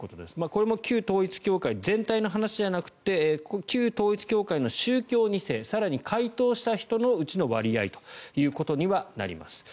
これも旧統一教会全体の話じゃなくて旧統一教会の宗教２世更に回答した人のうちの割合ということにはなります。